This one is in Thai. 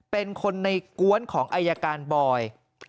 เป็นคนในกวนของอายการบอย